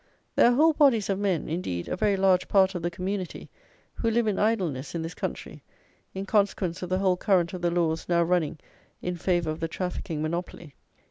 There are whole bodies of men; indeed, a very large part of the community, who live in idleness in this country, in consequence of the whole current of the laws now running in favour of the trafficking monopoly.